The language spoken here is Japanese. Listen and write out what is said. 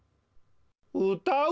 うたう